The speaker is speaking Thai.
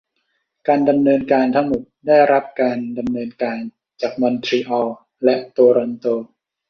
การดำเนินการทั้งหมดได้รับการดำเนินการจากมอนทรีออลและโตรอนโต